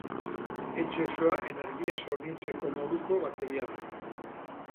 Etxe osoa energiaz hornitzeko moduko bateria da.